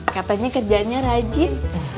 katanya kerjaannya rajin